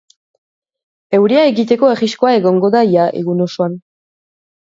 Euria egiteko arriskua egongo da ia egun osoan.